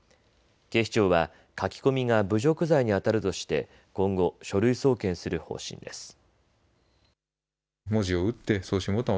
警視庁は書き込みが侮辱罪にあたるとして今後、書類送検する方針です。